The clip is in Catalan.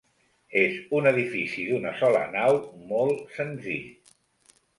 És un edifici d'una sola nau, molt senzill.